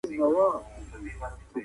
اشرف المخلوقات کیدل لوی مسؤلیت دی.